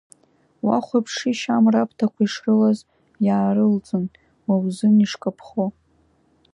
Уахәаԥшишь амра аԥҭақәа ишрылаз, иаарылҵын, уа узын ишкаԥхо.